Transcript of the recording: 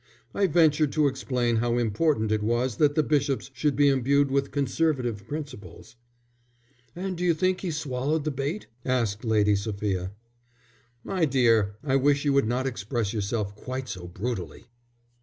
I ventured to explain how important it was that the bishops should be imbued with Conservative principles." "And d'you think he swallowed the bait?" asked Lady Sophia. "My dear, I wish you would not express yourself quite so brutally."